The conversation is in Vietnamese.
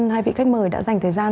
hai vị khách mời đã dành thời gian